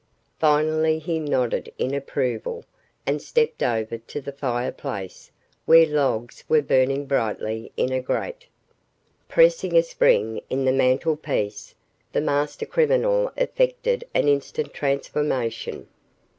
Finally he nodded in approval and stepped over to the fire place where logs were burning brightly in a grate. Pressing a spring in the mantelpiece, the master criminal effected an instant transformation.